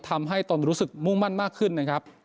ตนรู้สึกมุ่งมั่นมากขึ้นนะครับ